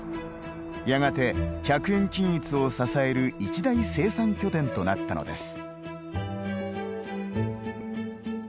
やがて、１００円均一を支える一大生産拠点となったのです。